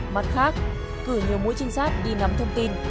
mặt khác cử nhiều mũi trinh sát đi nắm thông tin